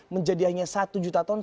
menjadi hanya satu juta ton